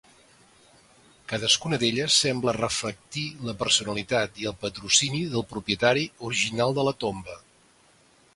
Cadascuna d'elles sembla reflectir la personalitat i el patrocini del propietari original de la tomba.